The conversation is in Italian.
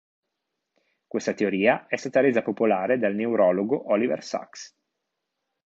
Questa teoria è stata resa popolare dal neurologo Oliver Sacks.